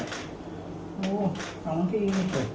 โหสองที